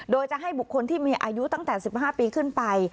โดยจะให้บุคคลที่มีอายุตั้งแต่๑๕ปีขึ้นไป